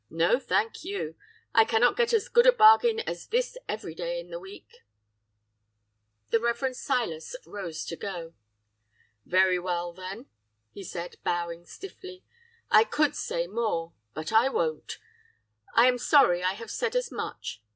No, thank you! I cannot get as good a bargain as this every day in the week!' "The Rev. Silas rose to go. 'Very well then!' he said, bowing stiffly, 'I could say more but I won't! I am sorry I have said as much.